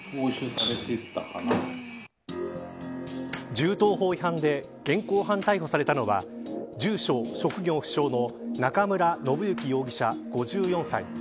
銃刀法違反で現行犯逮捕されたのは住所、職業不詳の中村信之容疑者、５４歳。